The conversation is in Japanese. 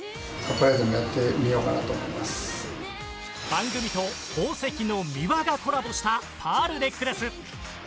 番組と宝石のミワがコラボしたパールネックレス